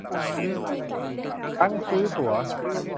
ทั้งซื้อตั๋ว